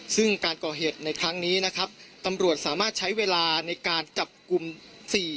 ซึ่งการก่อเหตุในครั้งนี้นะครับตำรวจสามารถใช้เวลาในการจับกลุ่มสี่